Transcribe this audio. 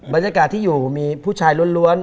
บรรยากาศที่อยู่มีผู้ชายล้วน